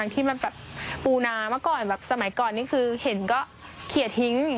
ที่มันแบบปูนาเมื่อก่อนแบบสมัยก่อนนี่คือเห็นก็เคลียร์ทิ้ง